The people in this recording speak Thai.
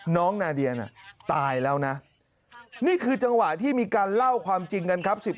นาเดียน่ะตายแล้วนะนี่คือจังหวะที่มีการเล่าความจริงกันครับ